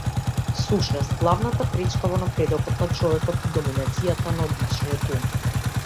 Всушност главната пречка во напредокот на човекот е доминацијатата на обичниот ум.